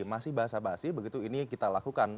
masih bahasa bahasa begitu ini kita lakukan